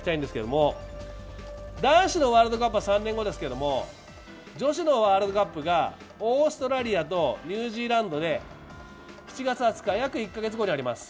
男子のワールドカップは３年後ですけれども女子のワールドカップがオーストラリアとニュージーランドで７月２０日、約１か月後にあります。